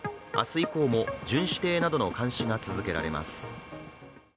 以降も巡視艇などの監視が続けられます。